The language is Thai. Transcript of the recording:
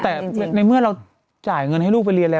แต่ในเมื่อเราจ่ายเงินให้ลูกไปเรียนแล้ว